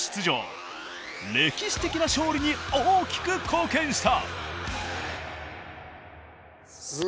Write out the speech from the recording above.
歴史的な勝利に大きく貢献した。